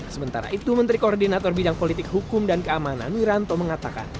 sementara itu menteri koordinator bidang politik hukum dan keamanan wiranto mengatakan